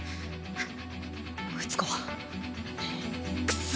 フッ！